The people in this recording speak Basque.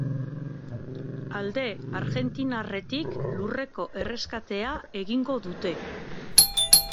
Alde argentinarretik lurreko erreskatea egingo dute.